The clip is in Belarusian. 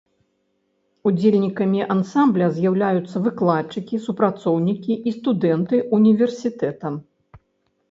Удзельнікамі ансамбля з'яўляюцца выкладчыкі, супрацоўнікі і студэнты ўніверсітэта.